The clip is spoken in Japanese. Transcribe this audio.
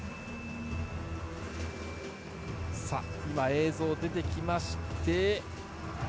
今、映像が出てきまして。